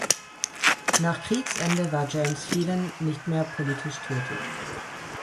Nach Kriegsende war James Phelan nicht mehr politisch tätig.